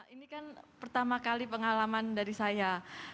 ini kan pertama kali pengalaman dari saya